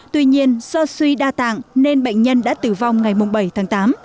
tuy nhiên do suy đa tạng nên bệnh nhân đã tử vong ngày bảy tháng tám